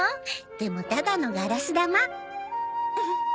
でもただのガラス玉。